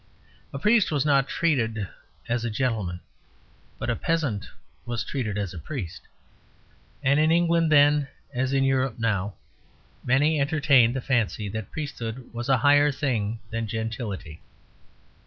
A priest was not treated as a gentleman; but a peasant was treated as a priest. And in England then, as in Europe now, many entertained the fancy that priesthood was a higher thing than gentility.